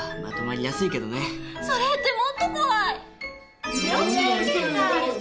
それってもっと怖い。